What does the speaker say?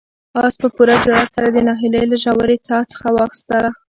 آس په پوره جرئت سره د ناهیلۍ له ژورې څاه څخه راووت.